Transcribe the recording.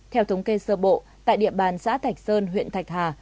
theo thống kê sơ bộ tại địa bàn xã thạch sơn huyện thạch hà